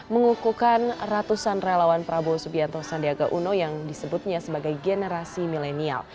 mengukuhkan ratusan relawan prabowo subianto sandiaga uno yang disebutnya sebagai generasi milenial